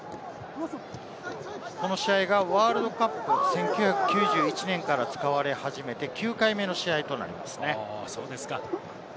この試合がワールドカップ、１９９１年から使われ始めて９回目の試合となります。